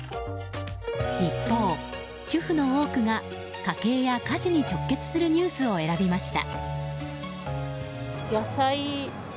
一方、主婦の多くが家計や家事に直結するニュースを選びました。